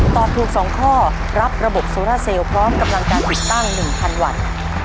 ตอบถูก๒ข้อรับระบบโซราเซลพร้อมกำลังการติดตั้ง๑๐๐วัน